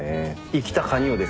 生きたカニをですね